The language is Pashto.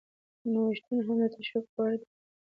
نوښتونه هم د تشویق وړ دي.